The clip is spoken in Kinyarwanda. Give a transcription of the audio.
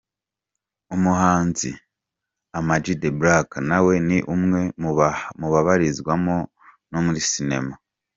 Umuhanzi Amag the Black nawe ni umwe mu babarizwa no muri Sinema.